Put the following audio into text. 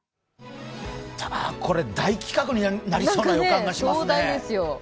大企画になりそうな予感がしますね。